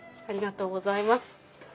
ありがとうございます。